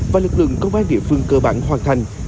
và lực lượng công an địa phương cơ bản hoàn thành